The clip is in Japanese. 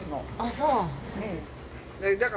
そう？